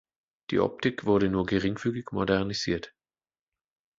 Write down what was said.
Die Optik wurde nur geringfügig modernisiert.